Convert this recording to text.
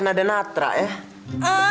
kan ada natra ya